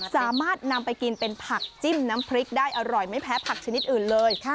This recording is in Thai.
สามารถนำไปกินเป็นผักจิ้มน้ำพริกได้อร่อยไม่แพ้ผักชนิดอื่นเลย